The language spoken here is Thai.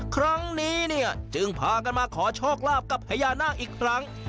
ครั้งนี้เนี่ยจึงพากันมาขอโชคลาภกับพญานาคอีกครั้ง